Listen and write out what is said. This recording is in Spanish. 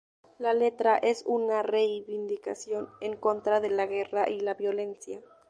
La letra es una reivindicación en contra de la guerra y la violencia.